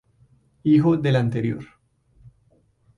Hijo del anterior.